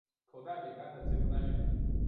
口袋饼干的节目单元。